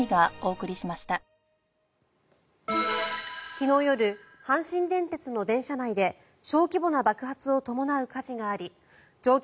昨日夜阪神電鉄の電車内で小規模な爆発を伴う火事があり乗客